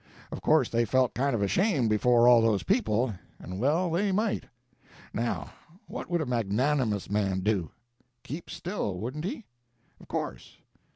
Of course they felt kind of ashamed before all those people, and well they might. Now, what would a magnanimous man do? Keep still, wouldn't he? Of course.